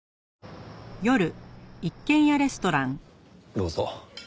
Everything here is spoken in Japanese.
どうぞ。